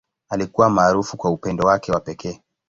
Alikuwa maarufu kwa upendo wake wa pekee.